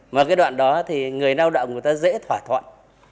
mà cái đoạn đó thì người lao động người ta dễ thỏa thuận